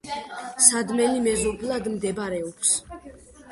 სადმელი მეზობლად მდებარეობს.